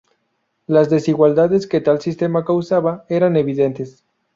Las desigualdades que tal sistema causaba eran evidentes.